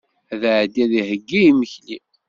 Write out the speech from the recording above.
Ad iɛeddi ad iheyyi imekli.